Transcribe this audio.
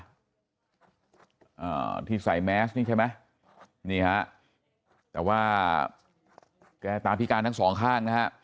อ่าที่ใส่แมสนี่ใช่ไหมนี่ฮะแต่ว่าแกตาพิการทั้งสองข้างนะฮะ